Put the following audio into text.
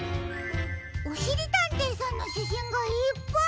おしりたんていさんのしゃしんがいっぱい！